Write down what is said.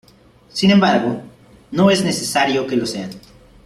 Sin embargo, no es necesario que lo sean.